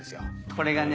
これがね